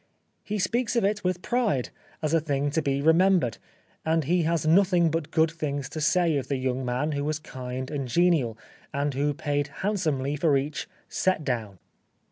He speaks of it with pride, as a thing to be remembered, and he has nothing but good things to say of the young man who was kind and genial, and who paid handsomely for each " set down."